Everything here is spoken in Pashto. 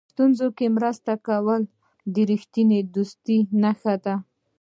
په ستونزو کې مرسته کول د رښتینې دوستۍ نښه ده.